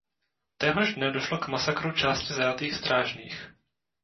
Téhož dne došlo k masakru části zajatých strážných.